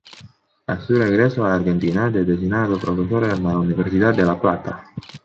A su regreso a Argentina, es designado profesor en la Universidad de La Plata.